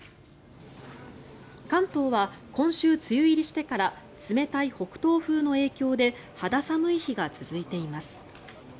関東は今週、梅雨入りしてから冷たい北東風の影響で肌寒い日が続いています。